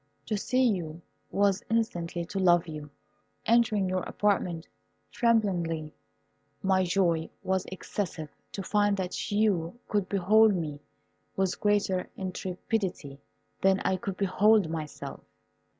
To see you was instantly to love you. Entering your apartment, tremblingly, my joy was excessive to find that you could behold me with greater intrepidity than I could behold myself.